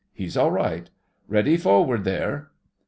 He's all right. Ready forward there!